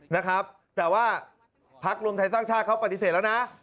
นะครับแต่ว่าพักรวมไทยสร้างชาติเขาปฏิเสธแล้วนะ